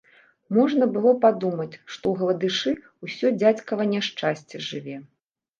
Можна было падумаць, што ў гладышы ўсё дзядзькава няшчасце жыве.